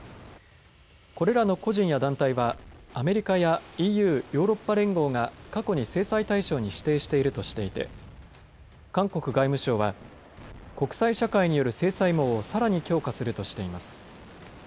これらの個人や団体はアメリカやＥＵ・ヨーロッパ連合が過去に制裁対象に指定しているとしていて韓国外務省は国際社会による制裁網をさらに強化するとしています。